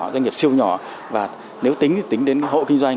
doanh nghiệp siêu nhỏ và nếu tính tính đến hộ kinh doanh